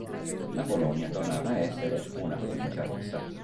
La Polonia tornava ad essere una provincia russa.